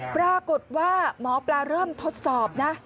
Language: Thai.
ปรากฏว่าหมอปลาเริ่มทดสอบนะ